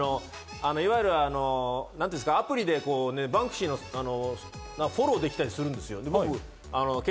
いわゆるアプリで、バンクシーがフォローできたりするんですよ。